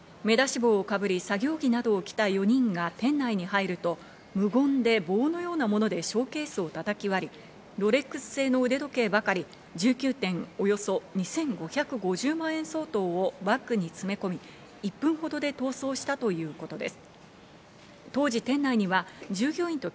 目出し帽をかぶり、作業着などを着た４人が店内に入ると、無言で棒のようなものでショーケースを叩き割りロレックス製の腕時計ばかり１点、およそ２５５０万円相当をバッグに詰め込み、１分ほどで逃走したということです。